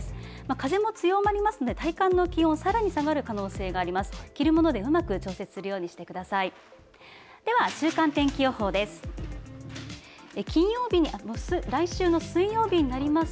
風も強まりますので、体感の気温、さらに下がる可能性があります。